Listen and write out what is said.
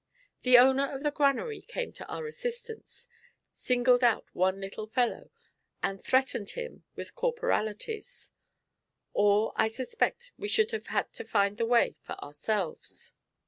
The owner of the granary came to our assistance, singled out one little fellow and threatened him with corporalities; or I suspect we should have had to find the way for ourselves.